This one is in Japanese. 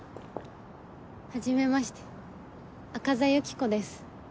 はじめまして赤座ユキコです。